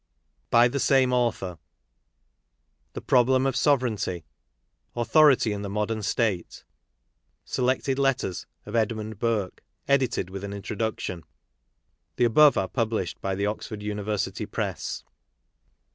BY THE SAME AUTHOR. The Problem of Sovereignty. Authority in the Modern State. Selected Letters of Edmund Burke, edited with an Intro duction. (The above are pubHshed by the Oxford University Press.)